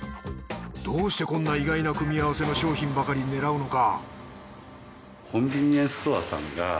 どうしてこんな意外な組み合わせの商品ばかり狙うのか